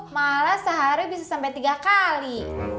malah sehari bisa sampai tiga kali